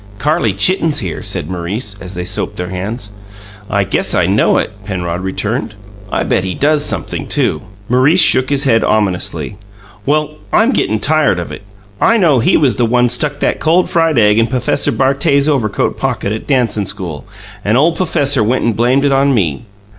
"Carrie Chitten's here," said Maurice, as they soaped their hands. "I guess I know it," Penrod returned. "I bet he does sumpthing, too." Maurice shook his head ominously. "Well, I'm gettin' tired of it. I know he was the one stuck that cold fried egg in P'fesser Bartet's overcoat pocket at dancin' school, and ole p'fesser went and blamed it on me.